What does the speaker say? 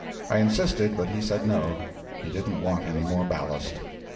I insisted, but he said no, he didn't want any more ballast.